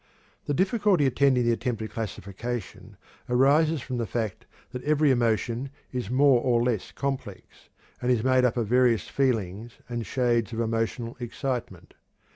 The difficulty attending the attempted classification arises from the fact that every emotion is more or less complex, and is made up of various feelings and shades of emotional excitement.